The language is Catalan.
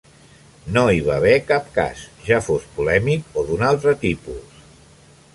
No hi va haver cap "cas", ja fos polèmic o d'un altre tipus.